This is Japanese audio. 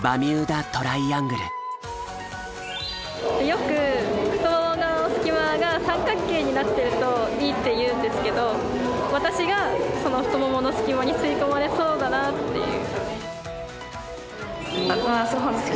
よく太ももの隙間が三角形になってるといいっていうんですけど私がその太ももの隙間に吸い込まれそうだなっていう。